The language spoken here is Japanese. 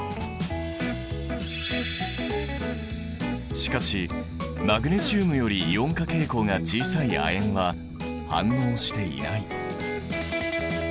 しかしマグネシウムよりイオン化傾向が小さい亜鉛は反応していない。